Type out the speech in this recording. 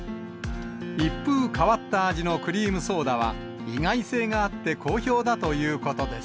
一風変わった味のクリームソーダは、意外性があって好評だということです。